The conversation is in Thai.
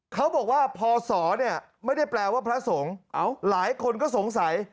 เขาบอกว่าพศเนี่ยไม่ได้แปลว่าพระสงฆ์หลายคนก็สงสัย